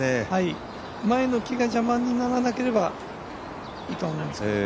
前の木が邪魔にならなければいいと思うんですけど。